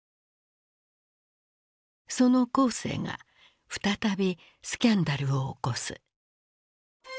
その江青が再びスキャンダルを起こす。